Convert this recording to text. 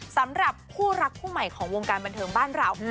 สำหรับคู่รักคู่ใหม่ของวงการบันเทิงบ้านเรา